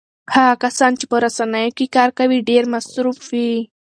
هغه کسان چې په رسنیو کې کار کوي ډېر مصروف وي.